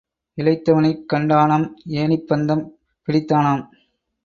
இளைத்தவனைக் கண்டானாம், ஏணிப் பந்தம் பிடித்தானாம்.